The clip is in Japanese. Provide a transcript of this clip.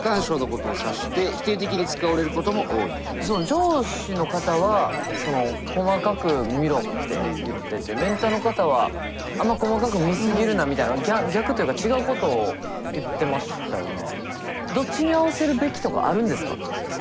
上司の方は「細かく見ろ」って言っててメンターの方は「あんま細かく見過ぎるな」みたいな逆というか違うことを言ってましたよね。